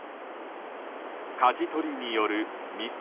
かじ取りによるミス。